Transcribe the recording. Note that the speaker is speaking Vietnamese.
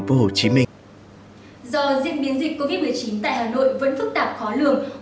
do diễn biến dịch covid một mươi chín tại hà nội vẫn phức tạp khó lường